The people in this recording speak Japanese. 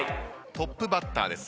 トップバッターです。